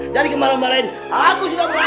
dari kemarin kemarin aku sudah berhasil